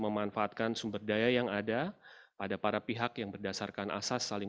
memanfaatkan sumber daya yang ada pada para pihak yang berdasarkan asas saling